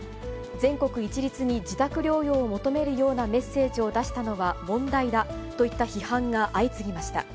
全国一律に自宅療養を求めるようなメッセージを出したのは問題だといった批判が相次ぎました。